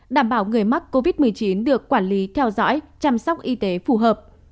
đảm bảo người mắc covid một mươi chín được quản lý theo dõi chăm sóc y tế phù hợp